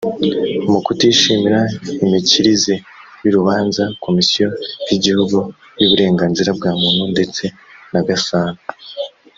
mu kutishimira imikirize y urubanza komisiyo y igihugu y uburenganzira bwa muntu ndetse na gasana